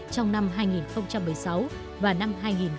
trong năm hai nghìn một mươi sáu và năm hai nghìn một mươi tám